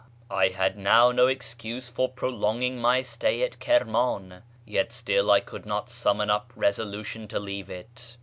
I had now no excuse for prolonging my stay at Kirmiin ; yet still I could not summon up resolution to leave it.